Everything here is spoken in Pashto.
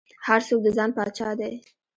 هر څوک د ځان پاچا دى.